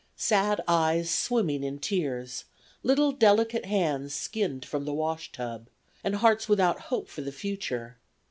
Sad eyes swimming in tears; little delicate hands skinned from the wash tub, and hearts without hope for the future.